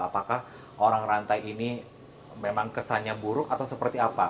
apakah orang rantai ini memang kesannya buruk atau seperti apa